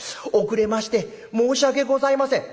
遅れまして申し訳ございません」。